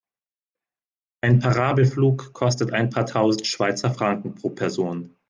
Ein Parabelflug kostet ein paar tausend Schweizer Franken pro Person.